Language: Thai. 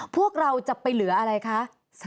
พวกเราจะไปเหลืออะไรคะ